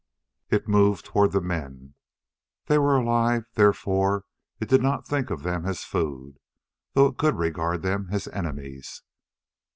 It moved toward the men. They were alive, therefore, it did not think of them as food though it could regard them as enemies.